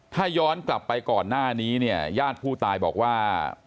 ถ้าย้อนกลับไปก่อนหน้านี้เนี่ยญาติผู้ตายบอกว่า